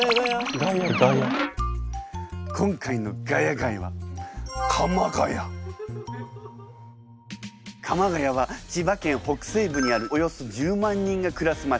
今回の「ヶ谷街」は鎌ケ谷は千葉県北西部にあるおよそ１０万人が暮らす街。